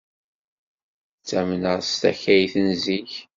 Ttamneɣ s takayt n zik.